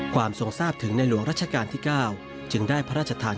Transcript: ความทรงทราบในหลวงราชการ๙ถึงได้พระราชธาน